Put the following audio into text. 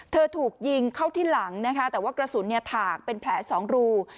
ถูกยิงเข้าที่หลังนะคะแต่ว่ากระสุนถากเป็นแผล๒รู